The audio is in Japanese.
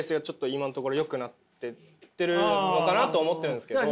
今のところよくなってってるのかなと思ってるんですけど。